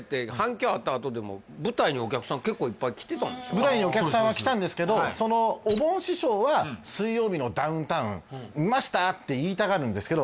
舞台にお客さんは来たんですけどおぼん師匠は「水曜日のダウンタウン」見ました？って言いたがるんですけど